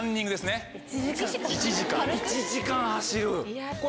１時間走る。